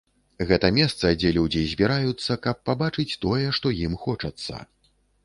Гэта месца, дзе людзі збіраюцца, каб пабачыць тое, што ім хочацца.